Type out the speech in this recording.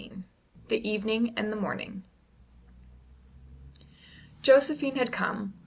THE EVENING AND THE MORNING. Josephine had come.